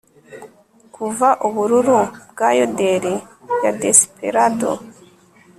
kuva ubururu bwa yodel ya desperado